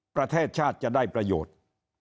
ประเทศชาติจะได้ประโยชน์